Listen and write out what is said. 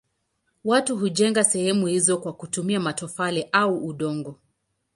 Watu hujenga sehemu hizo kwa kutumia matofali au udongo.